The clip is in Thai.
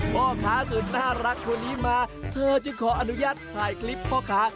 พ่อค้าสุดน่ารักคนนี้มาเธอจึงขออนุญาตถ่ายคลิปพ่อค้า